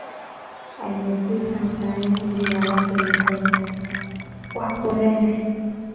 aliyepita mtaani jina lake ni Simoni wa Kurene